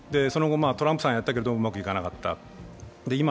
その後、トランプさんがやったけどうまくいかなかった。